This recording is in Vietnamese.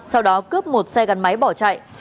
sau đó cướp một xe gắn máy bỏ chạy